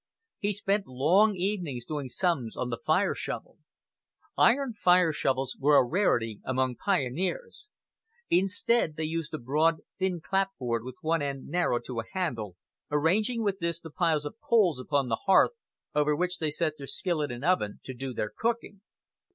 He spent long evenings doing sums on the fire shovel. Iron fire shovels were a rarity among pioneers. Instead they used a broad, thin clapboard with one end narrowed to a handle, arranging with this the piles of coals upon the hearth, over which they set their "skillet" and "oven" to do their cooking.